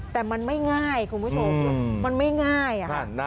แต่มันไม่ง่ายคุณผู้ชมมันไม่ง่าย